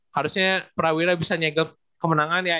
harusnya prawira bisa nyegep kemenangan ya